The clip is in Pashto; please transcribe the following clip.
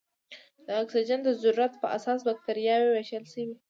د اکسیجن د ضرورت په اساس بکټریاوې ویشل شوې.